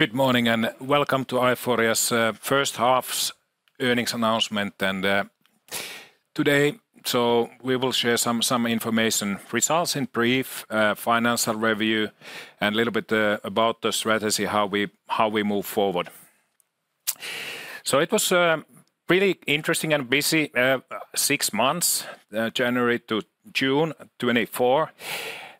Good morning, and welcome to Aiforia's first half's earnings announcement. And today, so we will share some information. Results in brief, financial review, and a little bit about the strategy, how we move forward. So it was a pretty interesting and busy six months, January to June 2024,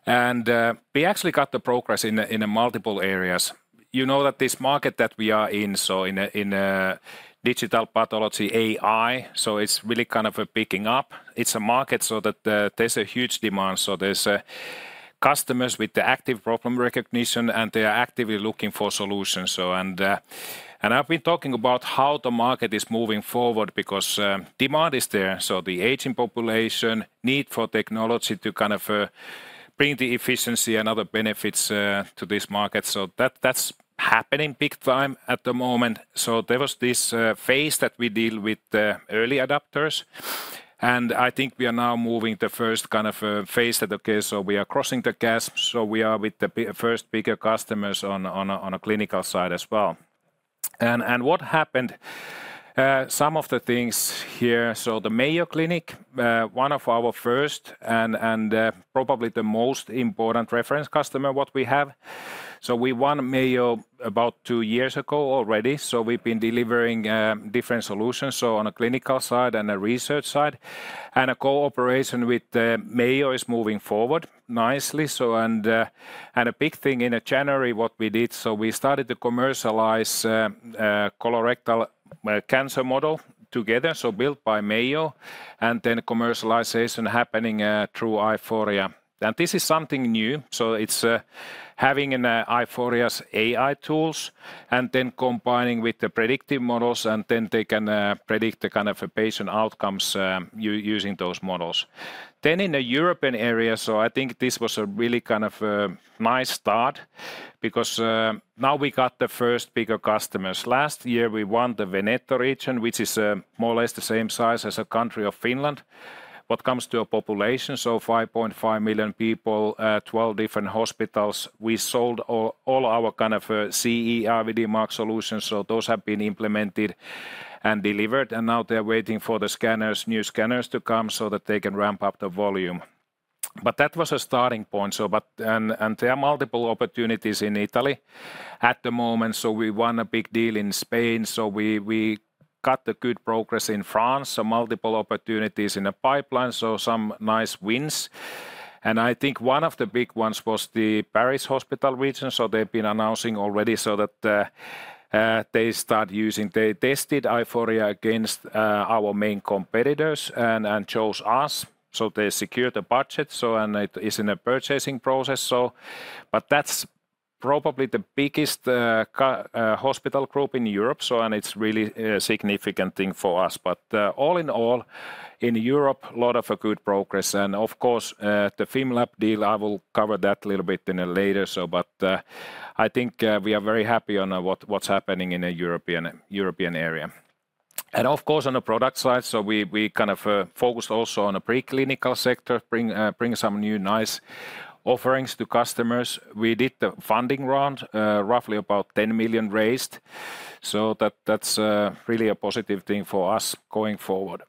and we actually got the progress in multiple areas. You know, that this market that we are in, so in digital pathology AI, so it's really kind of picking up. It's a market so that there's a huge demand, so there's customers with the active problem recognition, and they are actively looking for solutions. I've been talking about how the market is moving forward because demand is there, so the aging population, need for technology to kind of bring the efficiency and other benefits to this market, so that's happening big time at the moment. There was this phase that we deal with the early adopters, and I think we are now moving the first kind of phase that, so we are crossing the chasm, so we are with the first bigger customers on a clinical side as well. And what happened, some of the things here, so the Mayo Clinic, one of our first and probably the most important reference customer what we have, so we won Mayo about two years ago already. So we've been delivering different solutions, so on a clinical side and a research side, and a cooperation with Mayo is moving forward nicely. And a big thing in January, what we did, so we started to commercialize colorectal cancer model together, so built by Mayo, and then commercialization happening through Aiforia. And this is something new, so it's having an Aiforia's AI tools, and then combining with the predictive models, and then they can predict the kind of a patient outcomes using those models. Then in the European area, so I think this was a really kind of a nice start because now we got the first bigger customers. Last year, we won the Veneto region, which is more or less the same size as the country of Finland. What comes to a population, so 5.5 million people, 12 different hospitals. We sold all our kind of CE-IVD mark solutions, so those have been implemented and delivered, and now they're waiting for the scanners, new scanners to come so that they can ramp up the volume. But that was a starting point. And there are multiple opportunities in Italy at the moment. So we won a big deal in Spain, so we got the good progress in France, so multiple opportunities in the pipeline, so some nice wins. And I think one of the big ones was the AP-HP. So they've been announcing already so that they start using. They tested Aiforia against our main competitors and chose us. So they secured the budget, and it is in a purchasing process. But that's probably the biggest AP-HP hospital group in Europe, so and it's really a significant thing for us. But all in all, in Europe, a lot of good progress and, of course, the Fimlab deal, I will cover that a little bit in a later show, but I think we are very happy on what's happening in the European area. And of course, on the product side, so we kind of focused also on a preclinical sector, bring some new nice offerings to customers. We did the funding round, roughly about 10 million raised, so that's really a positive thing for us going forward.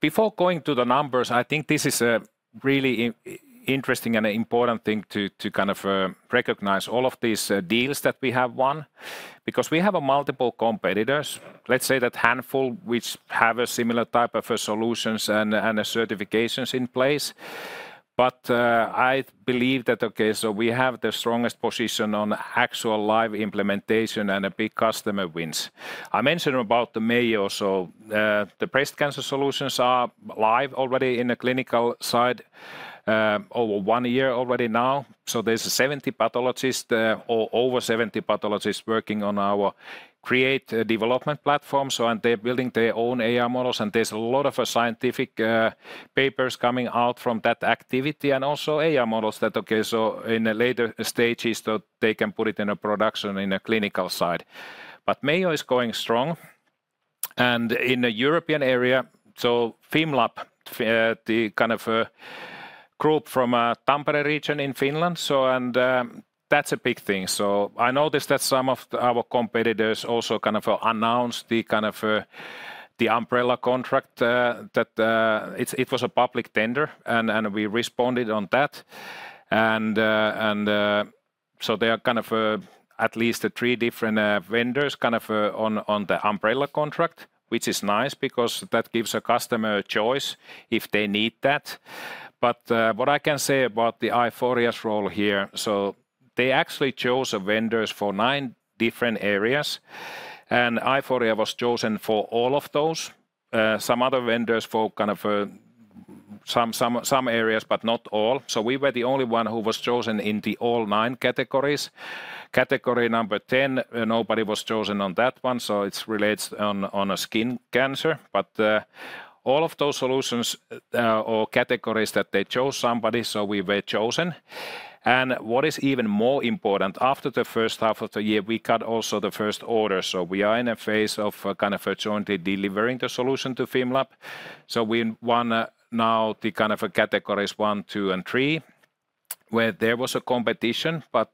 Before going to the numbers, I think this is a really interesting and important thing to kind of recognize all of these deals that we have won, because we have multiple competitors, let's say that handful, which have a similar type of solutions and certifications in place. I believe that we have the strongest position on actual live implementation and big customer wins. I mentioned about the Mayo, so the breast cancer solutions are live already in the clinical side, over one year already now. There's 70 pathologists, or over 70 pathologists, working on our Create development platform, and they're building their own AI models, and there's a lot of scientific papers coming out from that activity, and also AI models that in the later stages they can put it in production in a clinical side. Mayo is going strong, and in the European area, Fimlab, the kind of group from the Tampere region in Finland, and that's a big thing. I noticed that some of our competitors also kind of announced the kind of the umbrella contract that it was a public tender, and we responded on that. There are kind of at least three different vendors, kind of on the umbrella contract, which is nice because that gives a customer a choice if they need that. But what I can say about the Aiforia's role here, so they actually chose vendors for nine different areas, and Aiforia was chosen for all of those. Some other vendors for kind of some areas, but not all. We were the only one who was chosen in all nine categories. Category number ten, nobody was chosen on that one, so it relates to skin cancer. But all of those solutions or categories that they chose somebody, we were chosen. What is even more important, after the first half of the year, we got also the first order. So we are in a phase of kind of jointly delivering the solution to Fimlab. So we won now the kind of categories one, two, and three, where there was a competition, but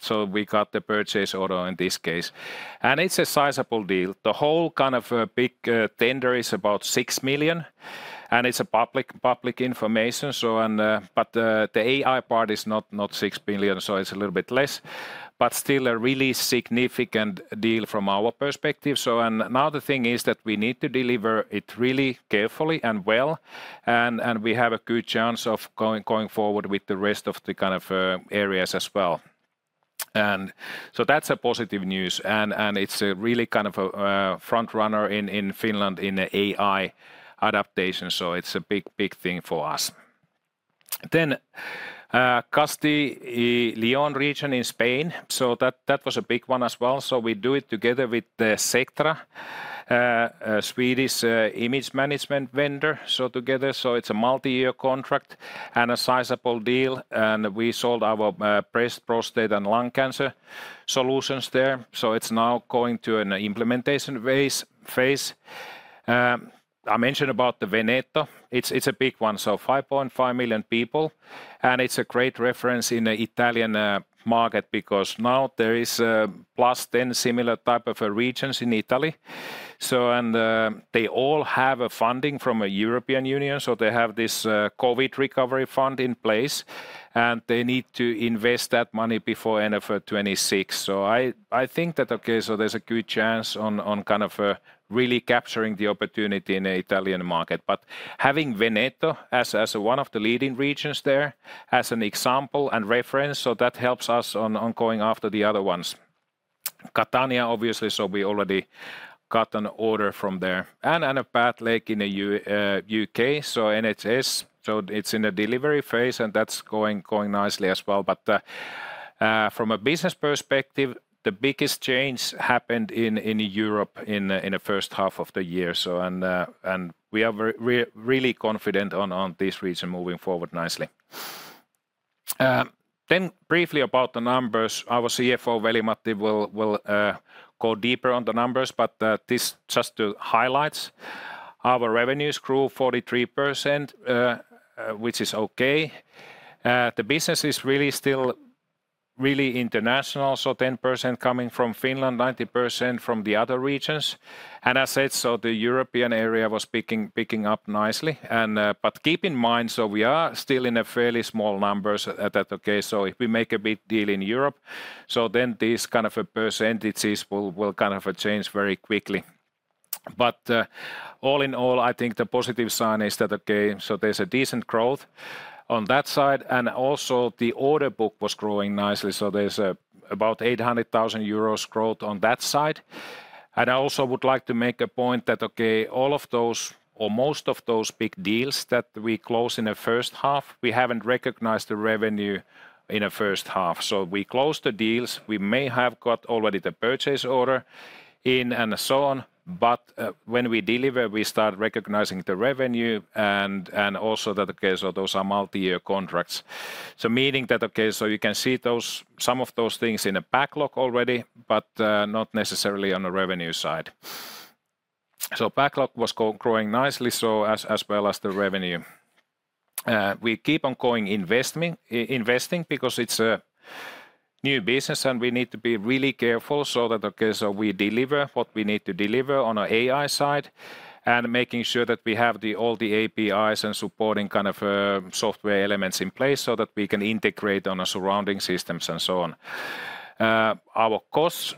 so we got the purchase order in this case, and it's a sizable deal. The whole kind of big tender is about 6 million, and it's public information, so and but the AI part is not 6 billion, so it's a little bit less, but still a really significant deal from our perspective. So and now the thing is that we need to deliver it really carefully and well, and we have a good chance of going forward with the rest of the kind of areas as well. And so that's a positive news, and it's a really kind of a frontrunner in Finland in the AI adoption, so it's a big thing for us. Then, Castile and León region in Spain, so that was a big one as well. We do it together with the Sectra, a Swedish image management vendor, so together, so it's a multi-year contract and a sizable deal, and we sold our breast, prostate, and lung cancer solutions there. It's now going to an implementation phase. I mentioned about the Veneto. It's a big one, so 5.5 million people, and it's a great reference in the Italian market because now there is +10 similar type of regions in Italy. They all have a funding from a European Union, so they have this COVID recovery fund in place, and they need to invest that money before end of 2026. I think that there's a good chance on kind of really capturing the opportunity in the Italian market, but having Veneto as one of the leading regions there, as an example and reference, so that helps us on going after the other ones. Catania, obviously, so we already got an order from there, and a PathLAKE in the U.K., so NHS, so it's in the delivery phase, and that's going nicely as well, but from a business perspective, the biggest change happened in Europe in the first half of the year. We are very, really confident on this region moving forward nicely. Then briefly about the numbers, our CFO, Veli-Matti, will go deeper on the numbers, but this just highlights. Our revenues grew 43%, which is okay. The business is really still international, so 10% coming from Finland, 90% from the other regions. And as I said, the European area was picking up nicely, but keep in mind, we are still in fairly small numbers at that, okay? If we make a big deal in Europe, then these kinds of percentages will kind of change very quickly. But, all in all, I think the positive sign is that, okay, so there's a decent growth on that side, and also the order book was growing nicely, so there's about 800,000 euros growth on that side. And I also would like to make a point that, okay, all of those or most of those big deals that we closed in the first half, we haven't recognized the revenue in the first half. So we closed the deals. We may have got already the purchase order in and so on, but when we deliver, we start recognizing the revenue, and, and also that, okay, so those are multi-year contracts. So meaning that, okay, so you can see those, some of those things in a backlog already, but not necessarily on the revenue side. So backlog was growing nicely, so as well as the revenue. We keep investing because it's a new business, and we need to be really careful so that we deliver what we need to deliver on our AI side, and making sure that we have all the APIs and supporting kind of software elements in place so that we can integrate on our surrounding systems and so on. Our costs,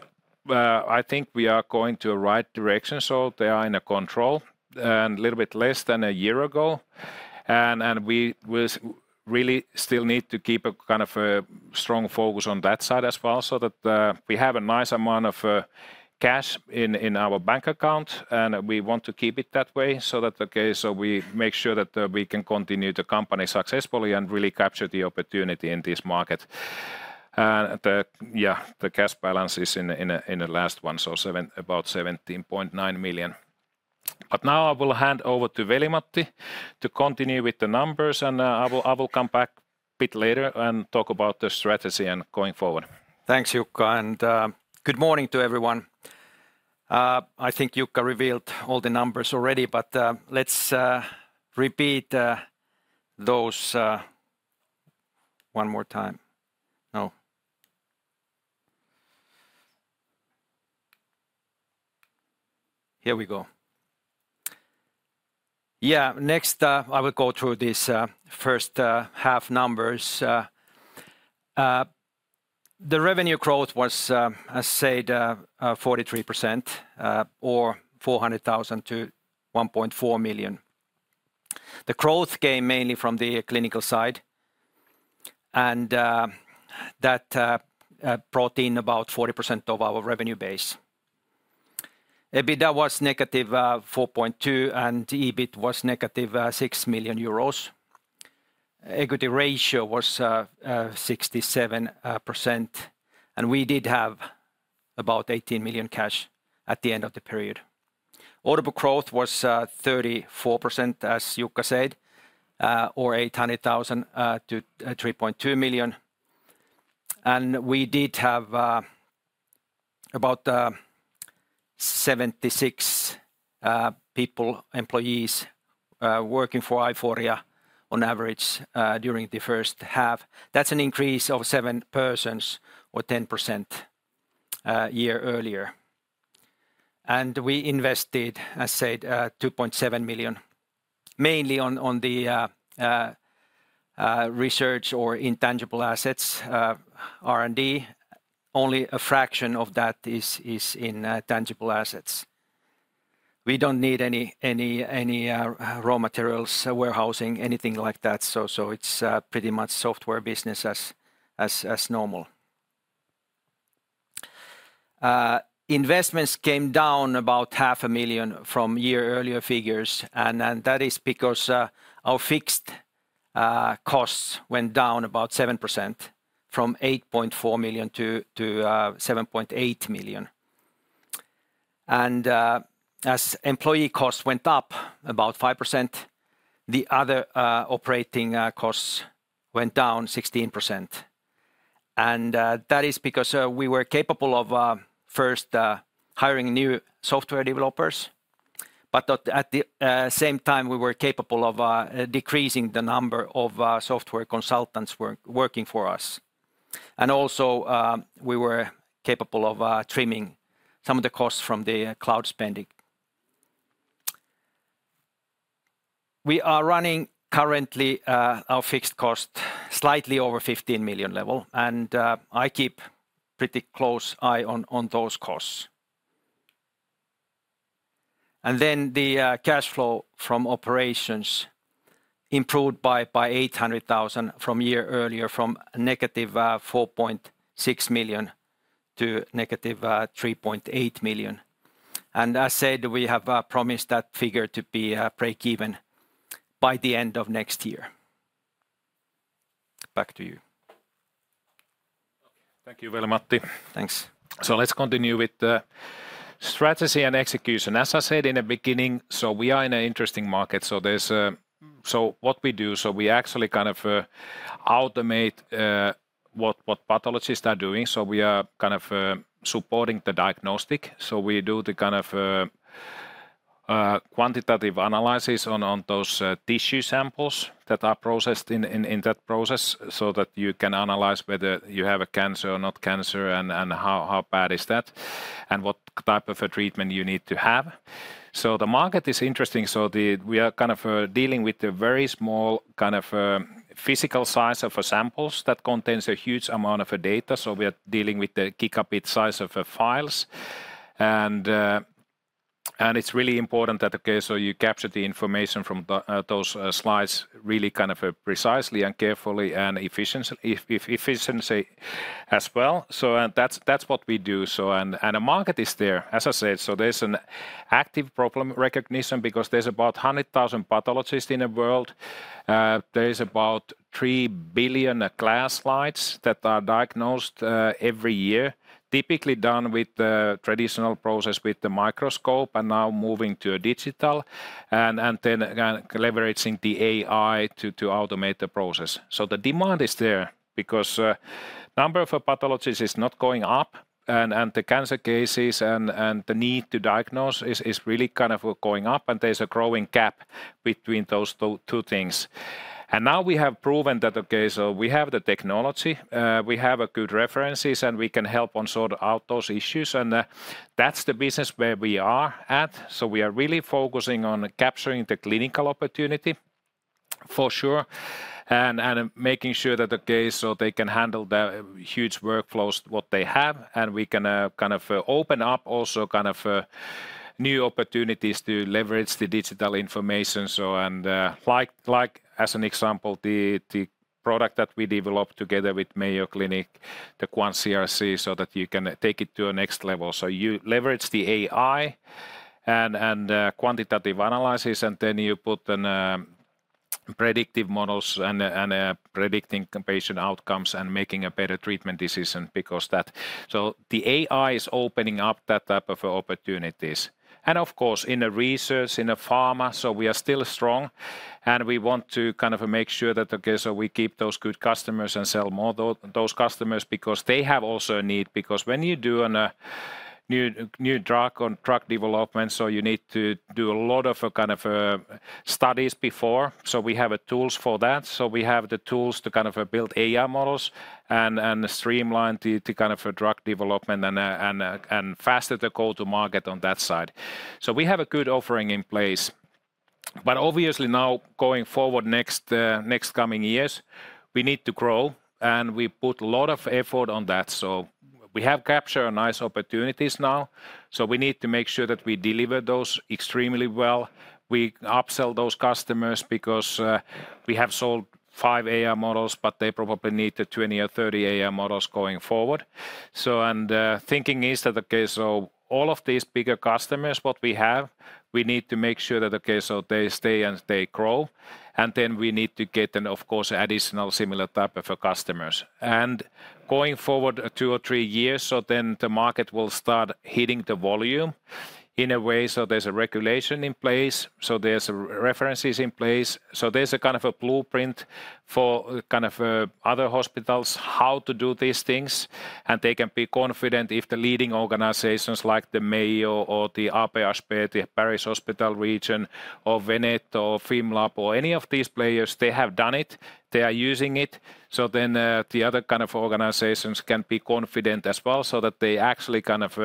I think we are going to a right direction, so they are in a control and little bit less than a year ago, and we will really still need to keep a kind of a strong focus on that side as well, so that we have a nice amount of cash in our bank account, and we want to keep it that way. So, okay, so we make sure that we can continue the company successfully and really capture the opportunity in this market. And the cash balance is in the last one, so about 17.9 million. But now I will hand over to Veli-Matti to continue with the numbers, and I will come back a bit later and talk about the strategy and going forward. Thanks, Jukka, and good morning to everyone. I think Jukka revealed all the numbers already, but let's repeat those one more time. Now here we go. Yeah, next, I will go through this first half numbers. The revenue growth was 43% or 400,000-1.4 million. The growth came mainly from the clinical side, and that brought in about 40% of our revenue base. EBITDA was -4.2, and EBIT was -6 million euros. Equity ratio was 67%, and we did have about 18 million cash at the end of the period. Order book growth was 34%, as Jukka said, orEUR 800,000-EUR 3.2 million. We did have about 76 people, employees, working for Aiforia on average during the first half. That's an increase of seven persons or 10% year earlier. We invested, I said, 2.7 million, mainly on the research or intangible assets, R&D. Only a fraction of that is in tangible assets. We don't need any raw materials, warehousing, anything like that. It's pretty much software business as normal. Investments came down about 500,000 from year earlier figures, and that is because our fixed costs went down about 7%, from 8.4 million-7.8 million. As employee costs went up about 5%, the other operating costs went down 16%. That is because we were capable of first hiring new software developers, but at the same time, we were capable of decreasing the number of software consultants working for us. Also, we were capable of trimming some of the costs from the cloud spending. We are running currently our fixed costs slightly over 15 million level, and I keep pretty close eye on those costs. Then the cash flow from operations improved by 800,000 from year earlier, from -4.6 million to -3.8 million. And as said, we have promised that figure to be break even by the end of next year. Back to you. Thank you, Veli-Matti. Thanks. So let's continue with the strategy and execution. As I said in the beginning, so we are in an interesting market. So what we do, so we actually kind of automate what pathologists are doing. So we are kind of supporting the diagnostic. So we do the kind of quantitative analysis on those tissue samples that are processed in that process, so that you can analyze whether you have a cancer or not cancer, and how bad is that, and what type of a treatment you need to have. So the market is interesting. So we are kind of dealing with the very small kind of physical size of samples that contains a huge amount of data. So we are dealing with the gigabyte size of files. It's really important that you capture the information from those slides really kind of precisely and carefully and efficiency as well. That's what we do, and the market is there, as I said. There's an active problem recognition, because there's about hundred thousand pathologists in the world. There is about three billion glass slides that are diagnosed every year, typically done with the traditional process, with the microscope, and now moving to a digital, and then kind of leveraging the AI to automate the process. The demand is there, because number of pathologists is not going up, and the cancer cases and the need to diagnose is really kind of going up, and there's a growing gap between those two things. And now we have proven that, okay, so we have the technology, we have a good references, and we can help on sort out those issues, and that's the business where we are at. So we are really focusing on capturing the clinical opportunity, for sure, and making sure that, okay, so they can handle the huge workflows what they have, and we can kind of open up also kind of new opportunities to leverage the digital information. So and, like as an example, the product that we developed together with Mayo Clinic, the QuantCRC, so that you can take it to a next level. So you leverage the AI and quantitative analysis, and then you put in predictive models and predicting patient outcomes and making a better treatment decision, because that. So the AI is opening up that type of opportunities. And of course, in research, in pharma, so we are still strong, and we want to kind of make sure that, okay, so we keep those good customers and sell more to those customers, because they have also a need. Because when you do a new drug on drug development, so you need to do a lot of kind of studies before. So we have a tools for that, so we have the tools to kind of build AI models and streamline the kind of drug development and faster the go-to-market on that side. So we have a good offering in place, but obviously now, going forward, next coming years, we need to grow, and we put a lot of effort on that. So we have captured a nice opportunities now, so we need to make sure that we deliver those extremely well. We upsell those customers, because we have sold five AI models, but they probably need the 20 or 30 AI models going forward. So and thinking is that, okay, so all of these bigger customers, what we have, we need to make sure that, okay, so they stay and they grow, and then we need to get an, of course, additional similar type of customers. And going forward two or three years, so then the market will start hitting the volume in a way, so there's a regulation in place, so there's references in place. There's a kind of a blueprint for kind of other hospitals how to do these things, and they can be confident if the leading organizations like the Mayo or the AP-HP, the Paris hospital region, or Veneto, or Fimlab, or any of these players, they have done it, they are using it. Then the other kind of organizations can be confident as well, so that they actually kind of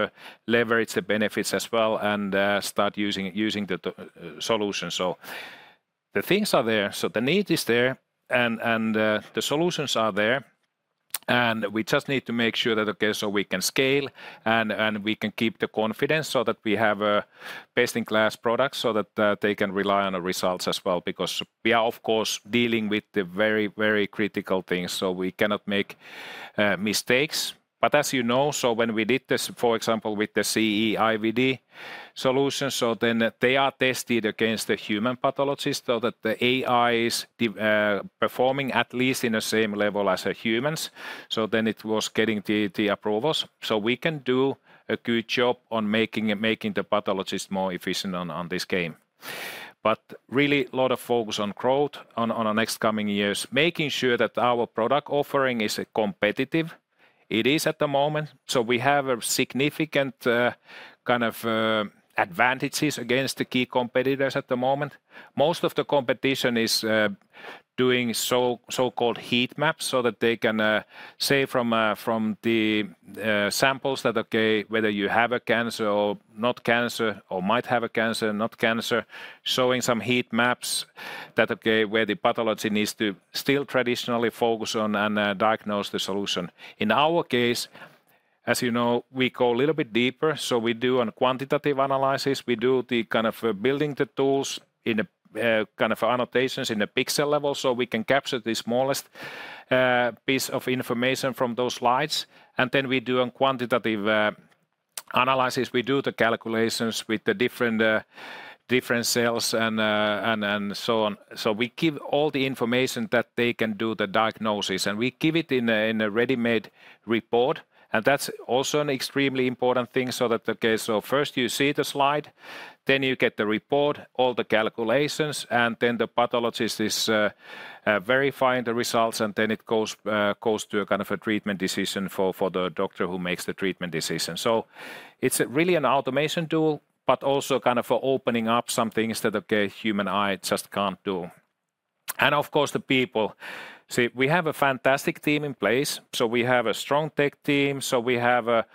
leverage the benefits as well, and start using the solution. The things are there, so the need is there, and the solutions are there. We just need to make sure that, okay, so we can scale and we can keep the confidence so that we have a best-in-class product, so that they can rely on the results as well, because we are, of course, dealing with the very, very critical things, so we cannot make mistakes, but as you know, when we did this, for example, with the CE-IVD solution, then they are tested against the human pathologist, so that the AI is performing at least in the same level as the humans, then it was getting the approvals. We can do a good job on making the pathologist more efficient on this game, but really, a lot of focus on growth on the next coming years, making sure that our product offering is competitive. It is at the moment, so we have a significant kind of advantages against the key competitors at the moment. Most of the competition is doing so-called heat maps so that they can say from the samples that, okay, whether you have a cancer or not cancer, or might have a cancer, not cancer. Showing some heat maps that, okay, where the pathology needs to still traditionally focus on and diagnose the solution. In our case, as you know, we go a little bit deeper, so we do a quantitative analysis. We do the kind of building the tools in a kind of annotations in a pixel level, so we can capture the smallest piece of information from those slides, and then we do a quantitative analysis. We do the calculations with the different, different cells and, and so on. So we give all the information that they can do the diagnosis, and we give it in a ready-made report, and that's also an extremely important thing so that, so first you see the slide, then you get the report, all the calculations, and then the pathologist is verifying the results, and then it goes, goes to a kind of a treatment decision for, for the doctor who makes the treatment decision. So it's really an automation tool, but also kind of opening up some things that, human eye just can't do. And of course, the people. See, we have a fantastic team in place, so we have a strong tech team, so we have a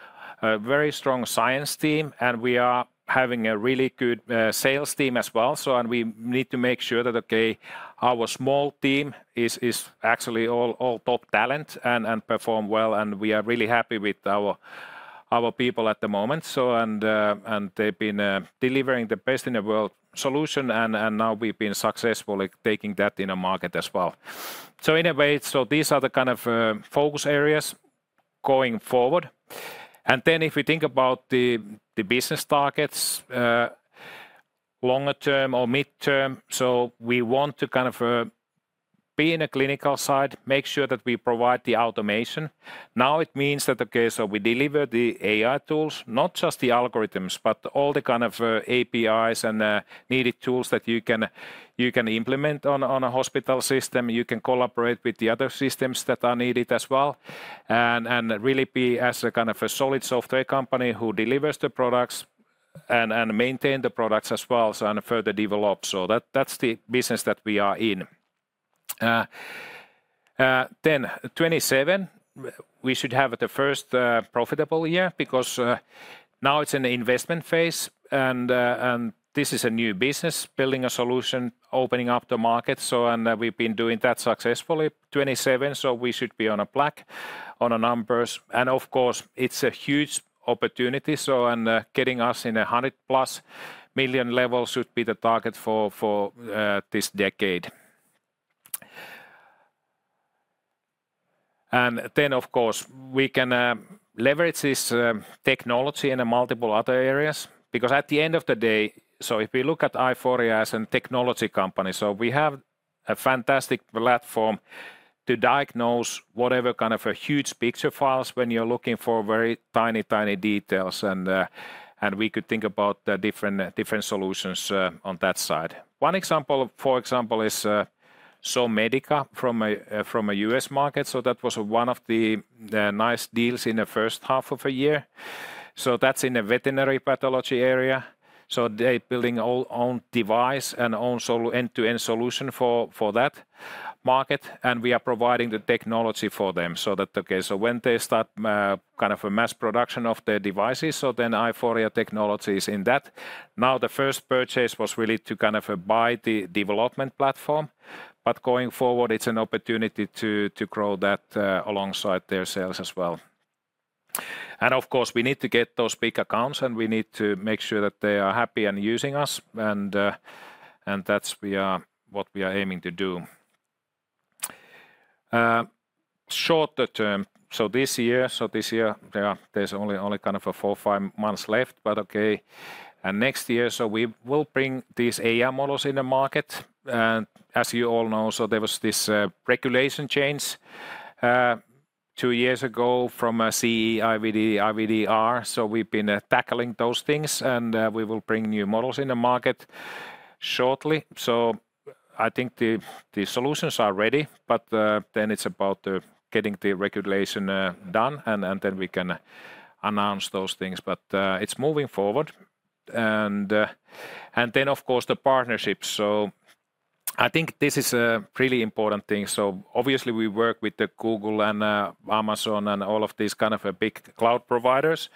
very strong science team, and we are having a really good sales team as well. So and we need to make sure that, okay, our small team is actually all top talent and perform well, and we are really happy with our people at the moment. So and they've been delivering the best in the world solution, and now we've been successfully taking that in the market as well. So anyway, so these are the kind of focus areas going forward. And then if we think about the business targets longer term or mid-term, so we want to kind of be in a clinical side, make sure that we provide the automation. Now, it means that. Okay, so we deliver the AI tools, not just the algorithms, but all the kind of APIs and the needed tools that you can implement on a hospital system. You can collaborate with the other systems that are needed as well, and really be as a kind of a solid software company who delivers the products and maintain the products as well, so and further develop. So that, that's the business that we are in. Then 2027, we should have the first profitable year, because now it's an investment phase and this is a new business, building a solution, opening up the market. So and we've been doing that successfully. 2027, so we should be in the black on the numbers. Of course, it's a huge opportunity, getting us to a 100+ million level should be the target for this decade. Then, of course, we can leverage this technology in multiple other areas, because at the end of the day, if we look at Aiforia as a technology company, we have a fantastic platform to diagnose whatever kind of huge picture files when you're looking for very tiny details, and we could think about the different solutions on that side. One example, for example, is Zomedica from the U.S. market. So that was one of the nice deals in the first half of the year. So that's in a veterinary pathology area. So they're building their own device and own solution, end-to-end solution for that market, and we are providing the technology for them. So that, so when they start kind of a mass production of their devices, so then Aiforia technology is in that. Now, the first purchase was really to kind of buy the development platform, but going forward, it's an opportunity to grow that alongside their sales as well. And of course, we need to get those big accounts, and we need to make sure that they are happy and using us, and that's what we are aiming to do. Shorter term, so this year there's only kind of four, five months left, but and next year, so we will bring these AI models in the market. And as you all know, so there was this regulation change two years ago from CE-IVD, IVDR. So we've been tackling those things, and we will bring new models in the market shortly. So I think the solutions are ready, but then it's about getting the regulation done, and then we can announce those things. But it's moving forward. And then, of course, the partnerships. So I think this is a really important thing. So obviously, we work with the Google and Amazon, and all of these kind of a big cloud providers,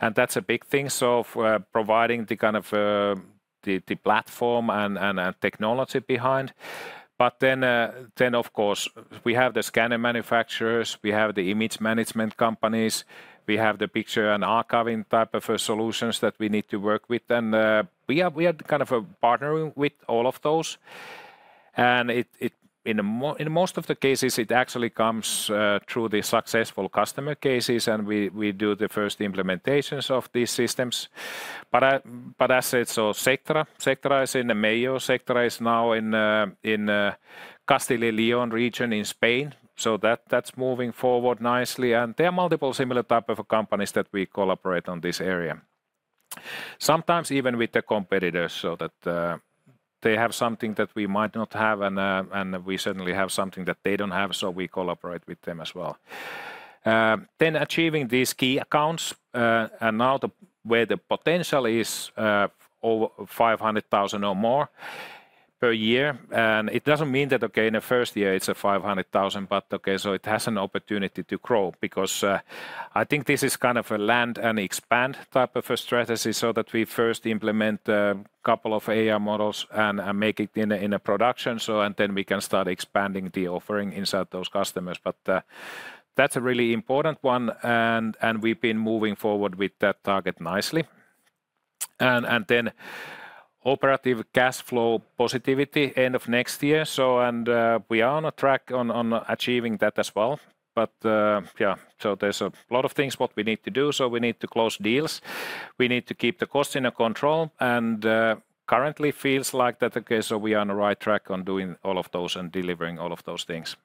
and that's a big thing, so for providing the kind of the platform and technology behind. But then, of course, we have the scanner manufacturers, we have the image management companies, we have the picture and archiving type of solutions that we need to work with. And we are kind of partnering with all of those, and it in most of the cases, it actually comes through the successful customer cases, and we do the first implementations of these systems. But as I said, so Sectra is in the Mayo. Sectra is now in Castile and León region in Spain, so that's moving forward nicely. And there are multiple similar type of companies that we collaborate on this area. Sometimes even with the competitors, so that they have something that we might not have, and and we certainly have something that they don't have, so we collaborate with them as well. Then achieving these key accounts, and now the, where the potential is, over 500,000 or more per year, and it doesn't mean that, okay, in the first year it's a 500,000, but okay, so it has an opportunity to grow because, I think this is kind of a land-and-expand type of a strategy, so that we first implement a couple of AI models and, and make it in a production. So and then we can start expanding the offering inside those customers. But, that's a really important one, and, and we've been moving forward with that target nicely. Operating cash flow positivity end of next year, and we are on track to achieving that as well. There's a lot of things what we need to do. We need to close deals. We need to keep the cost under control, and currently feels like that. We are on the right track to doing all of those and delivering all of those things.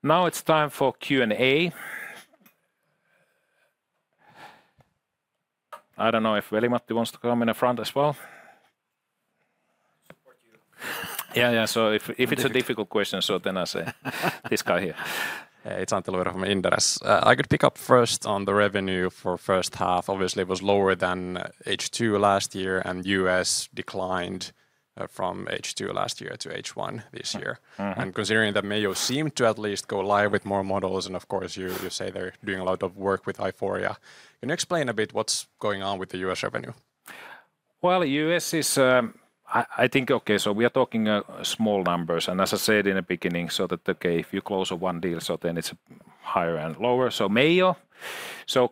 Now it's time for Q&A. I don't know if Veli-Matti wants to come in the front as well? Yeah, yeah. So if it's a difficult question, so then I say this guy here. Hey, it's Antti Luiro from Inderes. I could pick up first on the revenue for first half. Obviously, it was lower than H2 last year, and U.S. declined from H2 last year to H1 this year. Considering that Mayo seemed to at least go live with more models, and of course, you, you say they're doing a lot of work with Aiforia. Can you explain a bit what's going on with the U.S. revenue? U.S. is. I think, okay, so we are talking small numbers, and as I said in the beginning, so that, okay, if you close one deal, so then it's higher and lower. So Mayo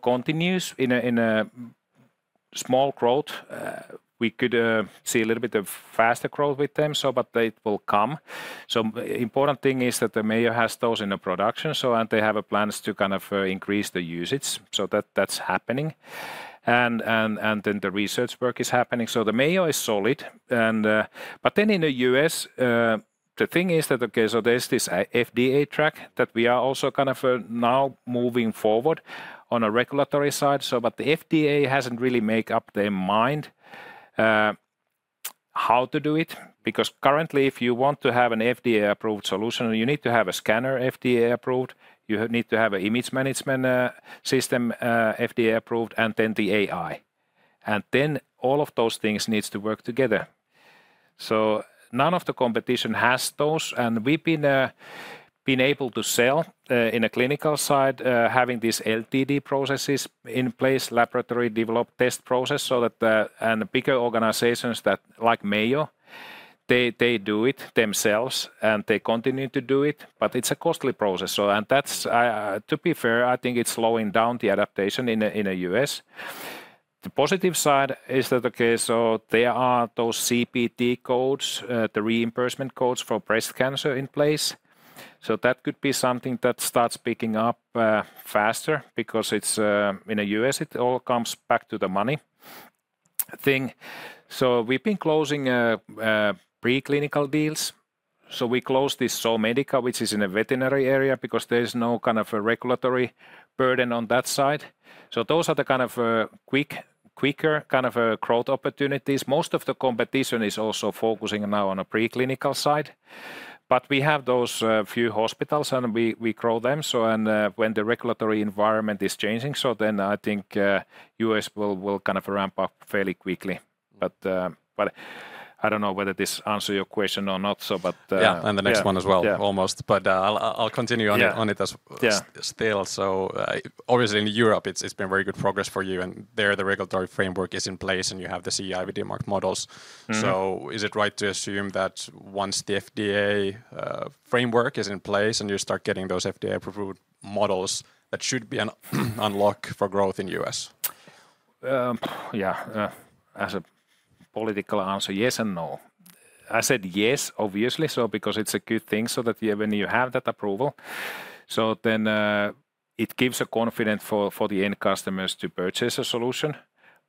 continues in a small growth. We could see a little bit of faster growth with them, so, but it will come. So important thing is that the Mayo has those in the production, and they have plans to kind of increase the usage, so that, that's happening. And then the research work is happening. So the Mayo is solid. But then in the U.S., the thing is that, okay, so there's this FDA track that we are also kind of now moving forward on a regulatory side, so, but the FDA hasn't really make up their mind how to do it, because currently, if you want to have an FDA-approved solution, you need to have a scanner FDA-approved, you need to have an image management system FDA-approved, and then the AI. And then all of those things needs to work together. So none of the competition has those, and we've been able to sell in the clinical side having these LDT processes in place, laboratory developed test process, so that and bigger organizations that, like Mayo, they do it themselves, and they continue to do it, but it's a costly process. To be fair, I think it's slowing down the adaptation in the U.S. The positive side is that, okay, so there are those CPT codes, the reimbursement codes for breast cancer in place, so that could be something that starts picking up faster because it's in the U.S., it all comes back to the money thing, so we've been closing preclinical deals, so we closed this Zomedica, which is in the veterinary area, because there is no kind of a regulatory burden on that side, so those are the kind of quicker, kind of growth opportunities. Most of the competition is also focusing now on a preclinical side, but we have those few hospitals, and we grow them. When the regulatory environment is changing, so then I think U.S. will kind of ramp up fairly quickly. But I don't know whether this answer your question or not, so but. Yeah, and the next one as well. Yeah Almost. But, I'll continue on it. Yeah As still. So, obviously, in Europe, it's, it's been very good progress for you, and there, the regulatory framework is in place, and you have the CE-IVD mark models. So is it right to assume that once the FDA framework is in place, and you start getting those FDA-approved models, that should be an unlock for growth in U.S.? Yeah, as a political answer, yes and no. I said yes, obviously, so because it's a good thing, so that yeah, when you have that approval, so then it gives a confidence for the end customers to purchase a solution.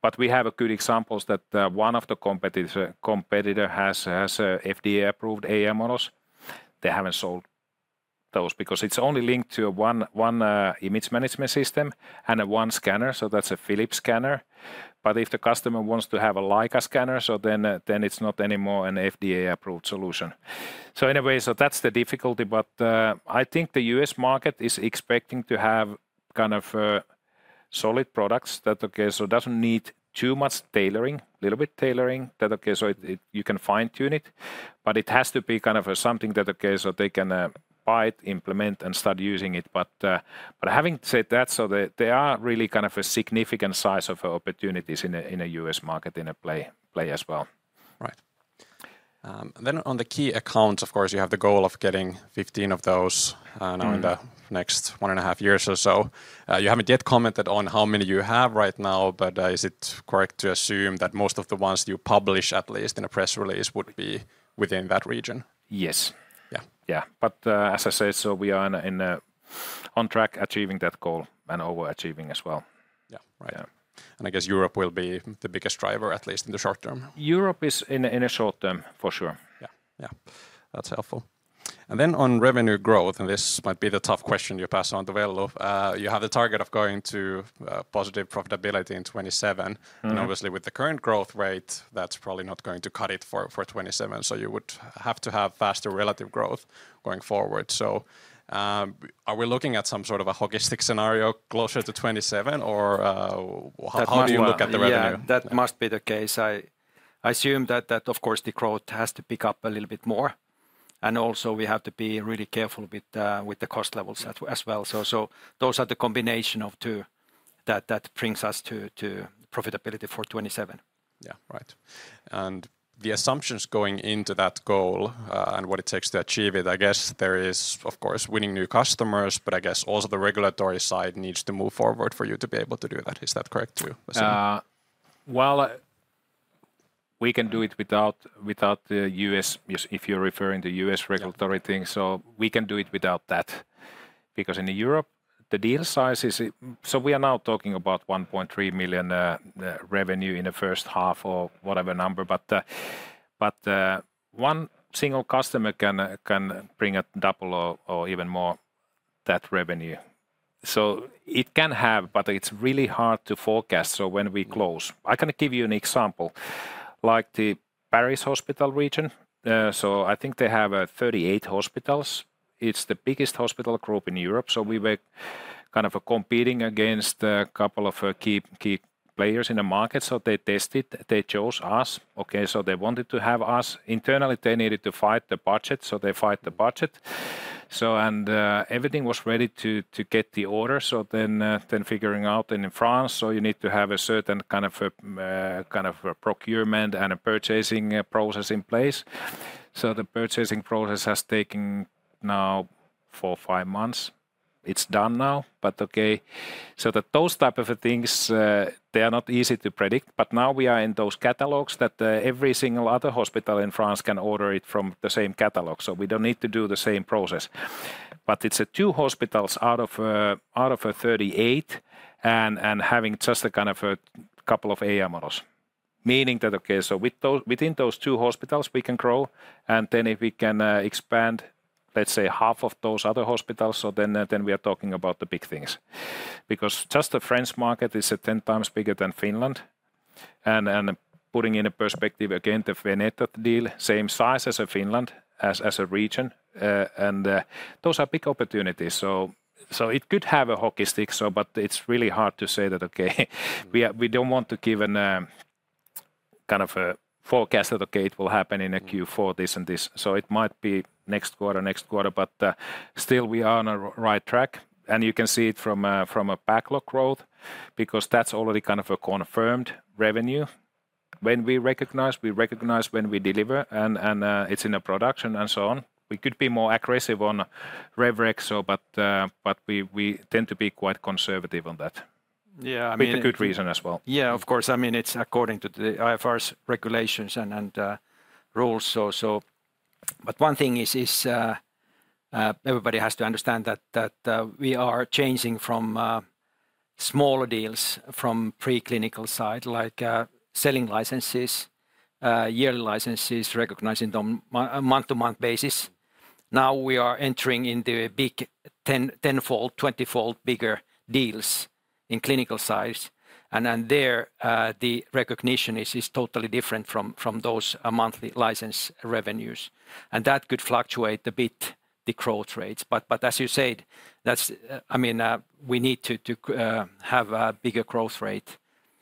But we have good examples that one of the competitors has FDA-approved AI models. They haven't sold those because it's only linked to one image management system and one scanner, so that's a Philips scanner. But if the customer wants to have a Leica scanner, so then it's not anymore an FDA-approved solution. So anyway, that's the difficulty, but I think the U.S. market is expecting to have kind of solid products that doesn't need too much tailoring. Little bit tailoring that, okay, so it you can fine-tune it, but it has to be kind of something that, okay, so they can buy it, implement, and start using it. But, but having said that, so they, there are really kind of a significant size of opportunities in a, in a U.S. market, in a play as well. Right. Then on the key accounts, of course, you have the goal of getting 15 of those, now in the next one and a half years or so. You haven't yet commented on how many you have right now, but, is it correct to assume that most of the ones you publish, at least in a press release, would be within that region? Yes. Yeah. Yeah, but as I said, so we are on track achieving that goal and overachieving as well. Yeah. Right. Yeah. I guess Europe will be the biggest driver, at least in the short term. Europe is in a short term, for sure. Yeah. Yeah. That's helpful. And then on revenue growth, and this might be the tough question you pass on to Veli. You have the target of going to positive profitability in 2027. And obviously, with the current growth rate, that's probably not going to cut it for 2027, so you would have to have faster relative growth going forward. So, are we looking at some sort of a hockey stick scenario closer to 2027, or how do you look at the revenue? Yeah, that must be the case. I assume that of course the growth has to pick up a little bit more, and also we have to be really careful with the cost levels as well. So those are the combination of two that brings us to profitability for 2027. Yeah. Right. And the assumptions going into that goal and what it takes to achieve it, I guess there is, of course, winning new customers, but I guess also the regulatory side needs to move forward for you to be able to do that. Is that correct to assume? We can do it without the U.S., if you're referring to U.S. regulatory things. Yeah. So we can do it without that, because in Europe, the deal size is so we are now talking about 1.3 million revenue in the first half or whatever number, but one single customer can bring a double or even more that revenue. It can have, but it's really hard to forecast, so when we close. I can give you an example. Like the Paris hospital region, so I think they have 38 hospitals. It's the biggest hospital group in Europe, so we were kind of competing against a couple of key players in the market. They tested, they chose us. Okay, they wanted to have us. Internally, they needed to fight the budget, so they fight the budget. So and everything was ready to get the order, so then figuring out in France, so you need to have a certain kind of procurement and a purchasing process in place. So the purchasing process has taken now four, five months. It's done now, but okay. So those type of things they are not easy to predict, but now we are in those catalogs that every single other hospital in France can order it from the same catalog, so we don't need to do the same process. But it's two hospitals out of 38, and having just a kind of a couple of AI models, meaning that, okay, so with those within those two hospitals, we can grow, and then if we can expand, let's say, half of those other hospitals, so then we are talking about the big things. Because just the French market is 10x bigger than Finland, and putting in a perspective again, the Veneto deal, same size as Finland, as a region. And those are big opportunities. So it could have a hockey stick, so but it's really hard to say that, okay we don't want to give an kind of a forecast that, okay, it will happen in a Q4, this and this. So it might be next quarter, next quarter, but still we are on a right track, and you can see it from a backlog growth, because that's already kind of a confirmed revenue. When we recognize, we recognize when we deliver, and it's in a production and so on. We could be more aggressive on rev rec, so but we tend to be quite conservative on that. Yeah, I mean. With a good reason as well. Yeah, of course. I mean, it's according to the IFRS regulations and rules, so. But one thing is everybody has to understand that we are changing from smaller deals, from preclinical side, like selling licenses, yearly licenses, recognizing them month-to-month basis. Now we are entering in the big 10, tenfold, twentyfold bigger deals in clinical size, and then there the recognition is totally different from those monthly license revenues. And that could fluctuate a bit, the growth rates. But as you said, that's, I mean, we need to have a bigger growth rate,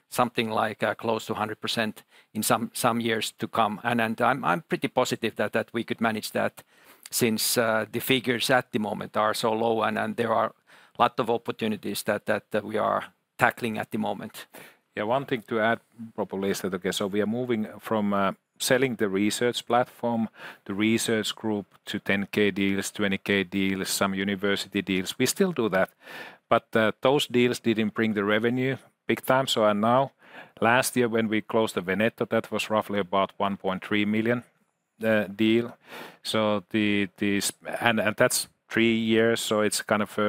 something like close to 100% in some years to come. I'm pretty positive that we could manage that, since the figures at the moment are so low, and there are a lot of opportunities that we are tackling at the moment. Yeah, one thing to add, probably is that, okay, so we are moving from selling the research platform, the research group, to 10K deals, 20K deals, some university deals. We still do that, but those deals didn't bring the revenue big time. So and now, last year, when we closed the Veneto, that was roughly about 1.3 million deal. So that's three years, so it's kind of.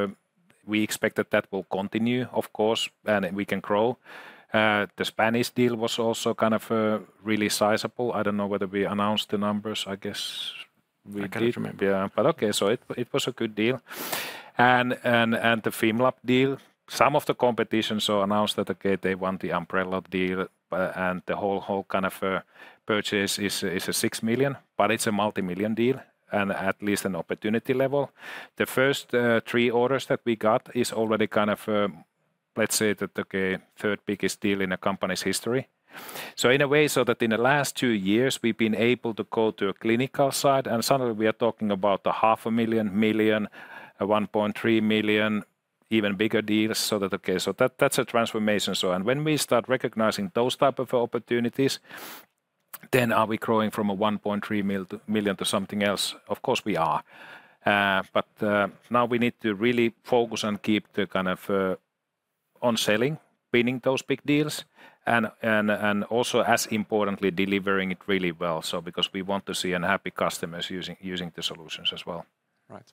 We expect that will continue, of course, and we can grow. The Spanish deal was also kind of really sizable. I don't know whether we announced the numbers. I guess we did. I can't remember. Yeah, but okay, so it was a good deal, and the Fimlab deal, some of the competition announced that, okay, they won the umbrella deal, and the whole kind of purchase is 6 million, but it's a multimillion deal, and at least an opportunity level. The first three orders that we got is already kind of, let's say, okay, third biggest deal in the company's history. In a way, in the last two years we've been able to go to a clinical side, and suddenly we are talking about EUR 500,000, 1 million, 1.3 million, even bigger deals, so that, okay. That, that's a transformation. And when we start recognizing those type of opportunities, then are we growing from a 1.3 million to something else? Of course we are. But now we need to really focus on keep the kind of on selling, winning those big deals, and also, as importantly, delivering it really well. So because we want to see a happy customers using the solutions as well. Right.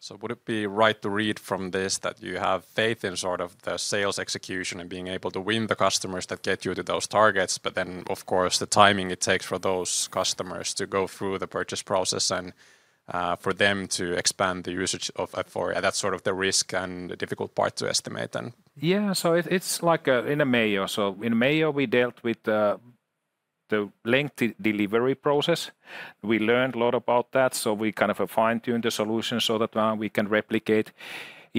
So would it be right to read from this that you have faith in sort of the sales execution and being able to win the customers that get you to those targets? But then, of course, the timing it takes for those customers to go through the purchase process and for them to expand the usage of Aiforia, that's sort of the risk and the difficult part to estimate, then. Yeah, so it's like in Mayo. In Mayo, we dealt with the lengthy delivery process. We learned a lot about that, so we kind of fine-tune the solution so that we can replicate in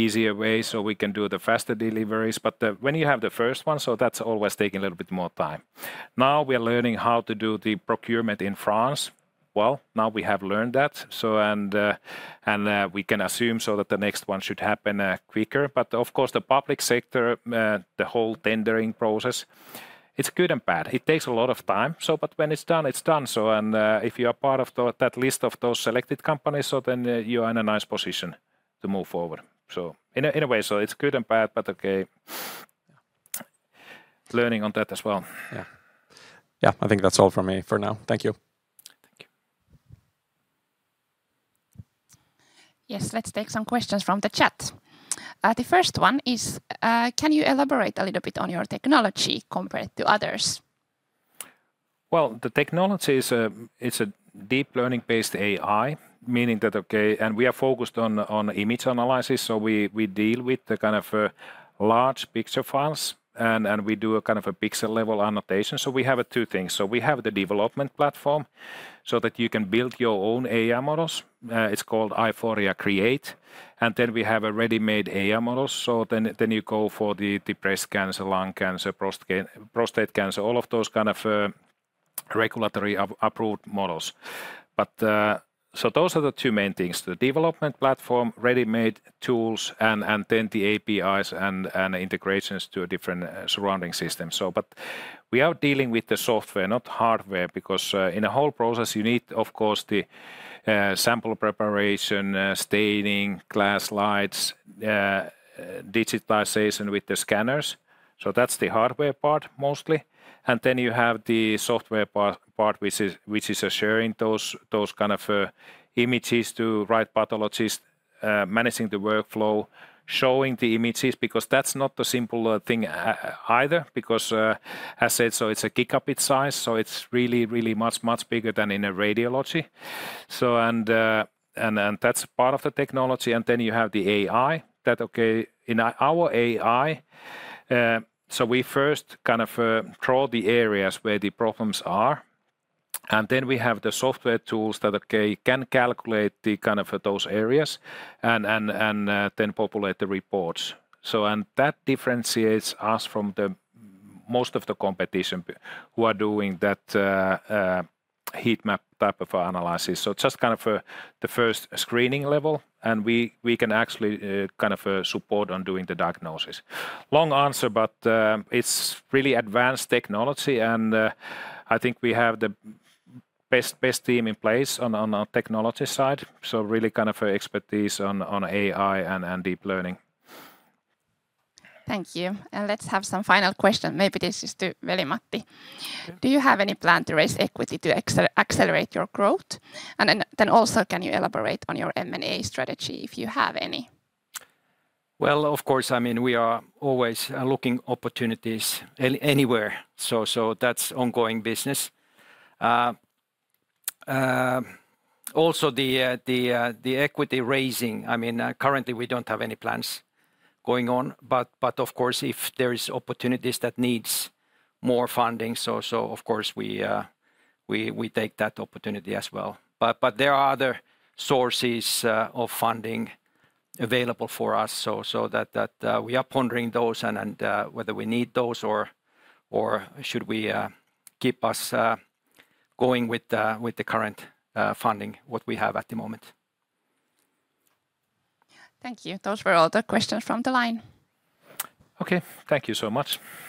easier ways, so we can do faster deliveries. But when you have the first one, that's always taking a little bit more time. Now we are learning how to do the procurement in France. Well, now we have learned that, so and we can assume so that the next one should happen quicker. Of course, the public sector, the whole tendering process, it's good and bad. It takes a lot of time, but when it's done, it's done. If you are part of that list of those selected companies, then you are in a nice position to move forward. In a way, it's good and bad, but okay. Learning on that as well. Yeah. Yeah, I think that's all for me for now. Thank you. Thank you. Yes, let's take some questions from the chat. The first one is, "Can you elaborate a little bit on your technology compared to others? The technology is a, it's a deep learning-based AI, meaning that we are focused on image analysis, so we deal with the kind of large picture files, and we do a kind of a pixel-level annotation. We have two things. We have the development platform, so that you can build your own AI models. It's called Aiforia Create. And then we have ready-made AI models, so then you go for the breast cancer, lung cancer, prostate cancer, all of those kind of regulatory approved models. But so those are the two main things: the development platform, ready-made tools, and then the APIs and integrations to a different surrounding system. So but we are dealing with the software, not hardware, because in the whole process you need, of course, the sample preparation, staining, glass slides, digitization with the scanners. So that's the hardware part mostly. And then you have the software part, which is sharing those kind of images to right pathologists, managing the workflow, showing the images, because that's not a simple thing either, because as said, so it's a gigabyte size, so it's really much bigger than in a radiology. So and that's part of the technology, and then you have the AI. That's okay in our AI, so we first kind of draw the areas where the problems are, and then we have the software tools that can calculate the kind of those areas and then populate the reports. And that differentiates us from most of the competition, who are doing that heat map type of analysis. It's just kind of the first screening level, and we can actually kind of support on doing the diagnosis. Long answer, but it's really advanced technology, and I think we have the best team in place on the technology side. We really kind of have expertise on AI and deep learning. Thank you, and let's have some final question. Maybe this is to Veli-Matti. Okay. Do you have any plan to raise equity to accelerate your growth? And then also, can you elaborate on your M&A strategy, if you have any? Of course, I mean, we are always looking opportunities anywhere, so that's ongoing business. The equity raising, I mean, currently we don't have any plans going on, but of course, if there is opportunities that needs more funding, so of course we take that opportunity as well. But there are other sources of funding available for us, so that we are pondering those and whether we need those or should we keep us going with the current funding what we have at the moment. Thank you. Those were all the questions from the line. Okay. Thank you so much. Thank you.